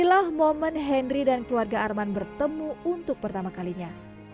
inilah momen henry dan keluarga arman bertemu untuk pertama kalinya